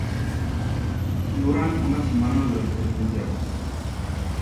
Duran una semana durante el mes de agosto.